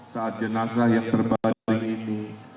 saat jenazah yang terbanding ini